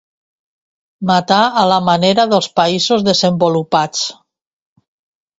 Matar a la manera dels països desenvolupats.